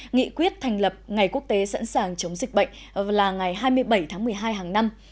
nghị quyết thành lập ngày quốc tế sẵn sàng chống dịch bệnh là ngày hai mươi bảy tháng một mươi hai hàng năm